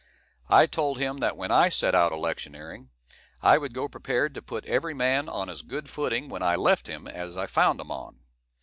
I told him that when I set out electioneering, I would go prepared to put every man on as good footing when I left him as I found him on.